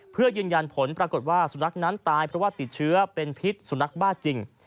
เพื่อยืนยันผลปรากฏว่าสุนัขนั้นตายเพราะว่าติดเชื้อเป็นพิษสุนัขบ้าจริง